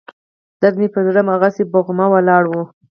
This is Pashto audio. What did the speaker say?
درد مې پر زړه هماغسې بوغمه ولاړ و.